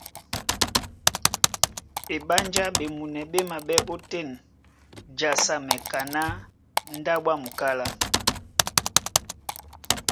Eɓánjá ɓemuna ɓé maɓɛ́ ótên jasamɛ kaná ndáɓo a ́ mukálá.